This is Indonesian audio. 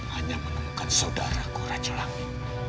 hanya menemukan saudaraku rajulangi